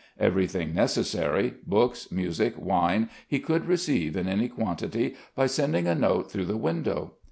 Everything necessary, books, music, wine, he could receive in any quantity by sending a note through the window.